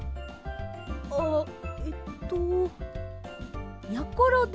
あっえっとやころです。